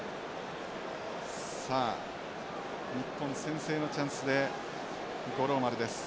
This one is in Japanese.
さあ日本先制のチャンスで五郎丸です。